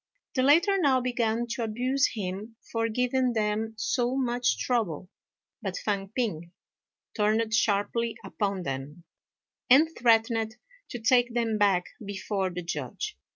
The latter now began to abuse him for giving them so much trouble, but Fang p'ing turned sharply upon them, and threatened to take them back before the Judge.